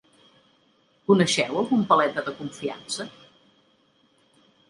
Coneixeu algun paleta de confiança?